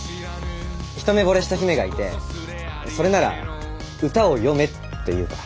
一目惚れした姫がいてそれなら歌を詠めって言うから。